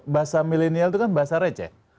bahasa milenial itu kan bahasa receh